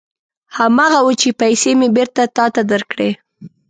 هماغه و چې پېسې مې بېرته تا ته درکړې.